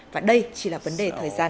và đây chỉ là vấn đề thời gian